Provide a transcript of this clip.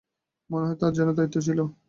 মনে হয়, তারও যেন দায়িত্ব ছিল।